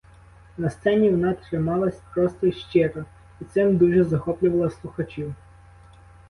На сцені вона трималась просто й щиро і цим дуже захоплювала слухачів.